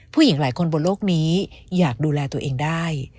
ผู้หญิงหลายคนบนโลกนี้อยากดูแลตัวเองได้